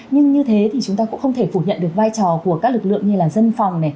nhưng như thế thì chúng ta cũng không thể phủ nhận được vai trò của các lực lượng như là dân phòng này